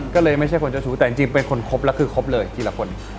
ก็เลยไม่ใช่คนเจ้าชู้แต่จริงเป็นคนครบแล้วคือครบเลยทีละคน